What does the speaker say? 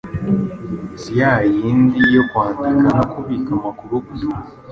Si ya yindi yo kwandika no kubika amakuru gusa.